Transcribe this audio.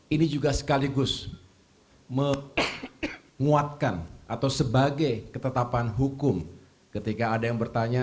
ini juga sekaligus menguatkan atau sebagai ketetapan hukum ketika ada yang bertanya